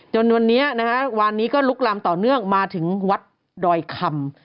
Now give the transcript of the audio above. จนวันนี้นะฮะวานนี้ก็ลุกลำต่อเนื่องมาถึงวัดดอยคำ